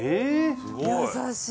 すごい！